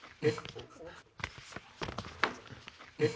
えっ？